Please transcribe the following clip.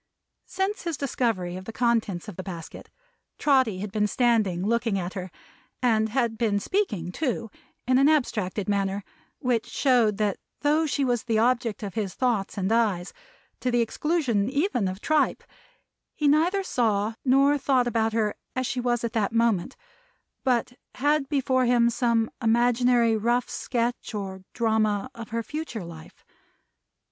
Since his discovery of the contents of the basket, Trotty had been standing looking at her and had been speaking too in an abstracted manner, which showed that though she was the object of his thoughts and eyes, to the exclusion even of tripe, he neither saw nor thought about her as she was at that moment, but had before him some imaginary rough sketch or drama of her future life.